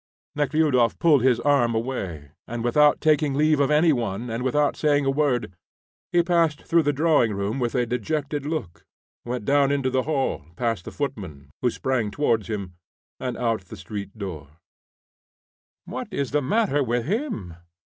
Nekhludoff pulled his arm away, and without taking leave of any one and without saying a word, he passed through the drawing room with a dejected look, went down into the hall, past the footman, who sprang towards him, and out at the street door. "What is the matter with him?